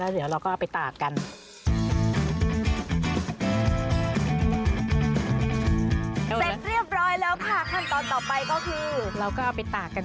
เรียกพี่อย่าเรียกป้า